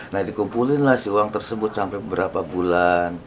nah dikumpulinlah si uang tersebut sampai berapa bulan